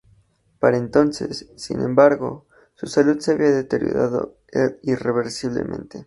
Para entonces, sin embargo, su salud se había deteriorado irreversiblemente.